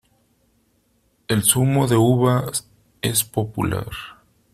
El zumo de uva es popular.